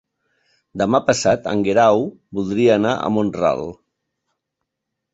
Demà passat en Guerau voldria anar a Mont-ral.